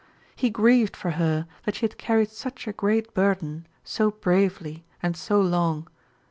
He grieved for her that she had carried such a great burden so bravely and so long.